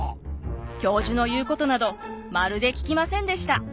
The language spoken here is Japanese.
教授の言うことなどまるで聞きませんでした。